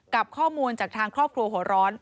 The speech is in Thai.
กับข้อมูลจากทางครอบครัวหัวร้อน